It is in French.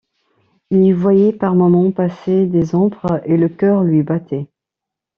Il y voyait par moment passer des ombres, et le cœur lui battait.